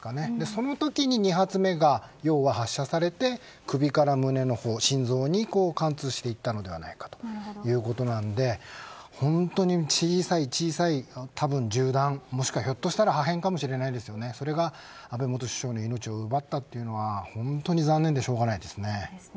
そのときに２発目が要は、発射されて首から胸の方心臓に貫通していったのではないかということなので小さい小さい銃弾ひょっとしたら破片かもしれないですがそれが安倍元首相の命を奪ったというのは本当に残念でしょうがないです。